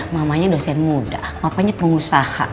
mamanya dosen muda papanya pengusaha